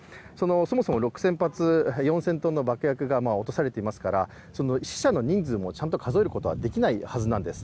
そもそも６０００発、４０００ｔの爆薬が落とされていますから死者の人数もちゃんと数えることはできないはずなんです。